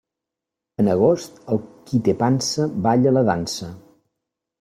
En agost, el qui té pansa balla la dansa.